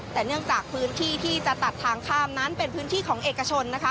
แต่เนื่องจากพื้นที่ที่จะตัดทางข้ามนั้นเป็นพื้นที่ของเอกชนนะคะ